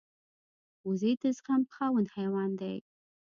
وزې د زغم خاوند حیوان دی